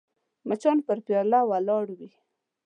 مچان پر پیاله ولاړ وي